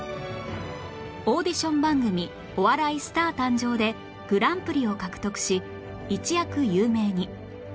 オーディション番組『お笑いスター誕生！！』でグランプリを獲得し一躍有名に